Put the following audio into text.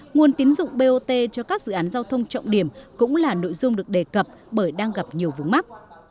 nguồn tín dụng bot cho các dự án giao thông trọng điểm cũng là nội dung được đề cập bởi đang gặp nhiều vướng mắt